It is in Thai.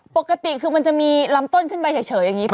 ปกติคือมันจะมีลำต้นขึ้นไปเฉยอย่างนี้ป่